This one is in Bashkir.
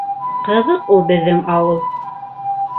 Ҡыҙыҡ ул беҙҙең ауыл!